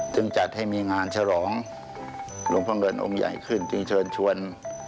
จัดให้มีงานฉลองหลวงพ่อเงินองค์ใหญ่ขึ้นจึงเชิญชวน